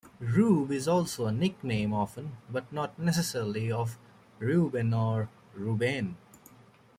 Rube is also a nickname, often, but not necessarily of Reuben or Ruben.